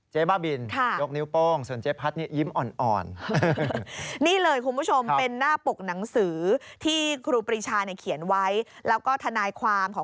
เจ๊บับิลยกนิ้วโป้งส่วนเจ๊พัดนี่ยิ้มอ่อน